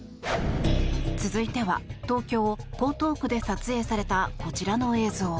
続いては東京・江東区で撮影されたこちらの映像。